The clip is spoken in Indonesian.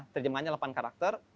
terjemahannya delapan karakter